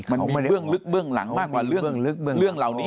มันเบื้องลึกเบื้องหลังมากกว่าเรื่องเหล่านี้